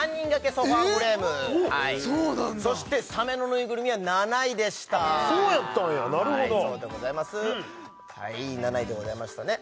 ソファフレームそしてサメのぬいぐるみは７位でしたそうやったんやなるほどはい７位でございましたね